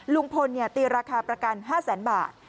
ลุงพลตีราคาประกัน๕แสนบาท